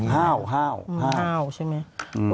ห้าวใช่ไหม